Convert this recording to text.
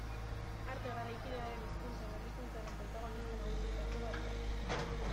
Arte garaikidearen hizkuntza-berrikuntzaren protagonista nagusietako bat da.